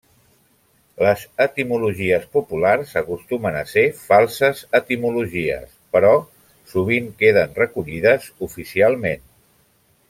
Les etimologies populars acostumen a ser falses etimologies però sovint queden recollides oficialment.